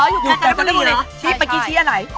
ใช่ตอนนี้ชี้อีกเนี่ยชี้ป่ะกี้ชี้อะไร